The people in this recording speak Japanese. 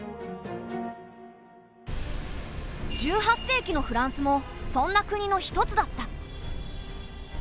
１８世紀のフランスもそんな国の一つだった。